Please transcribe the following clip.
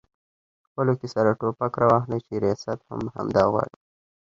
خپلو کې سره ټوپک راواخلي چې ریاست هم همدا غواړي؟